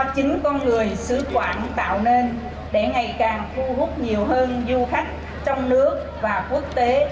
chính con người sứ quảng tạo nên để ngày càng thu hút nhiều hơn du khách trong nước và quốc tế